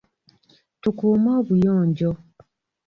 Tukuume obuyonjo.